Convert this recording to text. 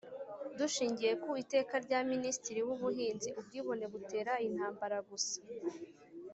Dushingiye ku iteka rya minisitiri w ubuhinzi ubwibone butera intambara gusa